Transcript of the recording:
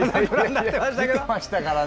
見てましたからね。